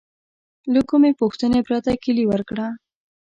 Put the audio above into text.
له کومې پوښتنې پرته کیلي ورکړه.